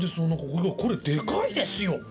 おなかこれでかいですよ。